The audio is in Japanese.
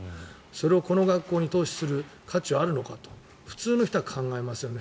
それをこの学校に投資する価値はあるのかと普通の人は考えますよね。